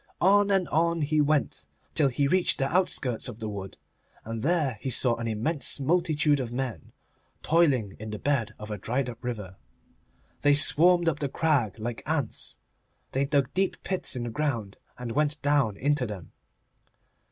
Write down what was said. On and on he went, till he reached the outskirts of the wood, and there he saw an immense multitude of men toiling in the bed of a dried up river. They swarmed up the crag like ants. They dug deep pits in the ground and went down into them.